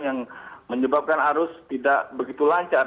yang menyebabkan arus tidak begitu lancar